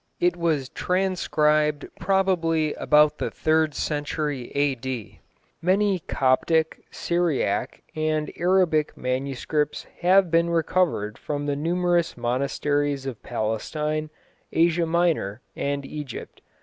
It was transcribed probably about the third century A.D. Many Coptic, Syriac, and Arabic manuscripts have been recovered from the numerous monasteries of Palestine, Asia Minor, and Egypt.